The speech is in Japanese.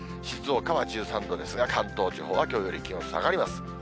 静岡は１３度ですが、関東地方はきょうより気温下がります。